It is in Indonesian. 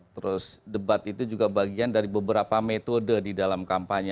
terus debat itu juga bagian dari beberapa metode di dalam kampanye